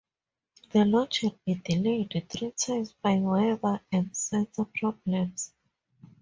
The launch had been delayed three times by weather and sensor problems.